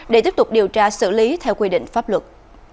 để tiếp tục điều tra xử lý theo quy định pháp luật